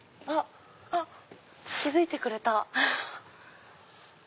あっ気付いてくれた。